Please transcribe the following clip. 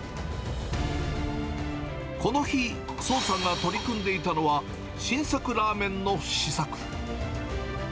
この日、創さんが取り組んでいたのは、新作らーめんの試作。